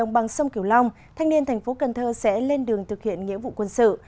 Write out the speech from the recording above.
bằng sông kiều long thanh niên thành phố cần thơ sẽ lên đường thực hiện nghĩa vụ quân sự